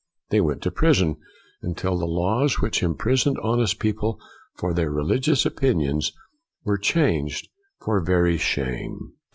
They went to prison until the laws which imprisoned honest people for their religious opinions were changed for very shame.